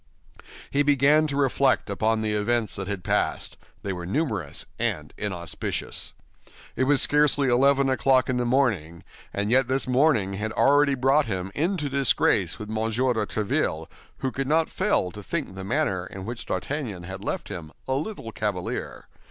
He began to reflect upon the events that had passed; they were numerous and inauspicious. It was scarcely eleven o'clock in the morning, and yet this morning had already brought him into disgrace with M. de Tréville, who could not fail to think the manner in which D'Artagnan had left him a little cavalier.